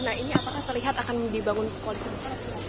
nah ini apakah terlihat akan dibangun koalisi besar